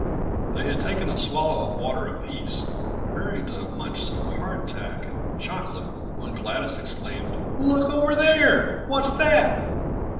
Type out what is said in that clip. They had taken a swallow of water apiece and were preparing to munch some hardtack and chocolate when Gladys exclaimed: "Look over there. What's that?"